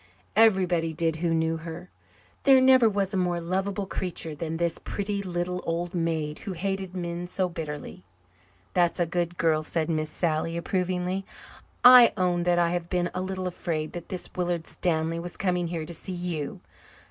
Everybody did who knew her. There never was a more lovable creature than this pretty little old maid who hated the men so bitterly. "That's a good girl," said Miss Sally approvingly. "I own that I have been a little afraid that this Willard Stanley was coming here to see you.